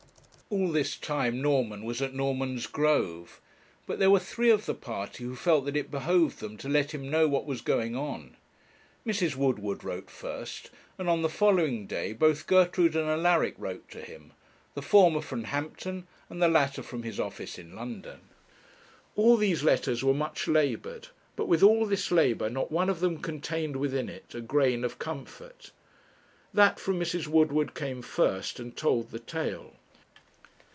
All this time Norman was at Normansgrove; but there were three of the party who felt that it behoved them to let him know what was going on. Mrs. Woodward wrote first, and on the following day both Gertrude and Alaric wrote to him, the former from Hampton, and the latter from his office in London. All these letters were much laboured, but, with all this labour, not one of them contained within it a grain of comfort. That from Mrs. Woodward came first and told the tale.